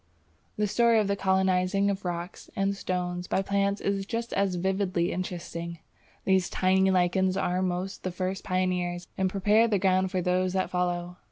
The story of the colonizing of rocks and stones by plants is just as vividly interesting. These tiny lichens are almost the first pioneers, and prepare the ground for those that follow.